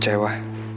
aku mau kecewa